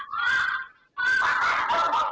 ชำเจอแล้วครับลูก